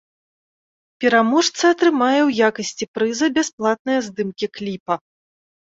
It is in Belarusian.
Пераможца атрымае ў якасці прыза бясплатныя здымкі кліпа.